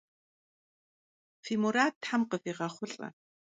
Fi murad them khıviğexhulh'e!